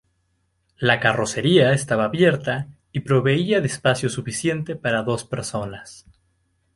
La carrocería estaba abierta y proveía de espacio suficiente para dos personas.